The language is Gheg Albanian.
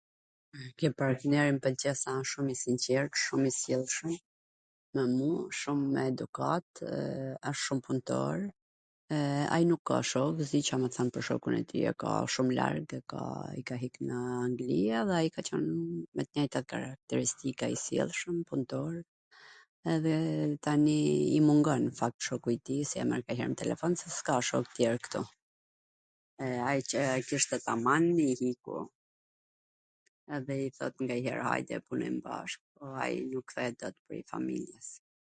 Ke partneri m pwlqen se a shum i sinqert, shum i sjellshwm me mu, shum me edukat, eee asht shum puntor, ai nuk ka shok, s di Ca me than pwr shokun e tij, wsht shum larg, e ka, i ka hik nw Angli, edhe ai ka qwn me t njwjtat karakteristika, i sjellshwm, puntor, edhe tani i mungon shoku i tij, e merr nganjher nw telefon, se s ka shok ktu.